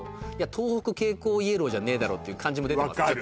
東北蛍光イエローじゃねえだろっていう感じも出てますよね